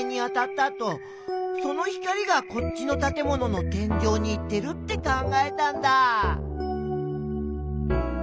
あとその光がこっちのたてものの天井に行ってるって考えたんだ。